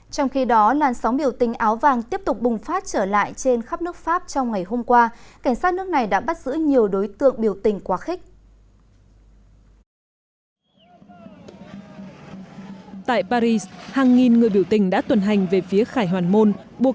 trong khi đó làn sóng biểu tình áo vàng tiếp tục bùng phát trở lại trên khắp nước pháp trong ngày hôm qua